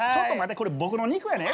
これ僕の肉やね。